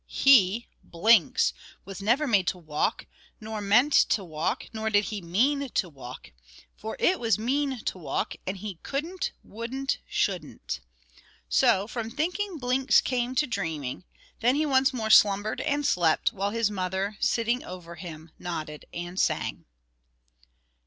He, Blinks, was never made to walk, nor meant to walk, nor did he mean to walk; for it was mean to walk, and he couldn't, wouldn't, shouldn't. So from thinking Blinks came to dreaming; then he once more slumbered and slept, while his mother, sitting over him, nodded and sang.